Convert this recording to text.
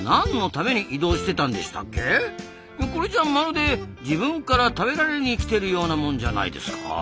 これじゃまるで自分から食べられに来てるようなもんじゃないですか。